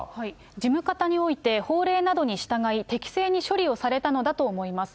事務方において、法令などに従い、適正に処理をされたのだと思います。